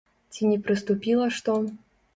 Ці не прыступіла што?